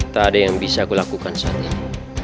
tak ada yang bisa kulakukan saat ini